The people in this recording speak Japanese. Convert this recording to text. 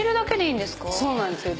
そうなんですよ。